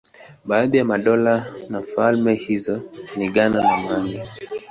Baadhi ya madola na falme hizo ni Ghana na Mali.